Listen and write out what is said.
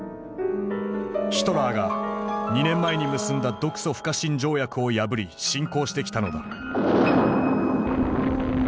ヒトラーが２年前に結んだ独ソ不可侵条約を破り侵攻してきたのだ。